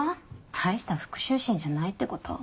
大した復讐心じゃないってこと？